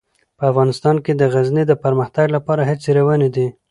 په افغانستان کې د غزني د پرمختګ لپاره هڅې روانې دي.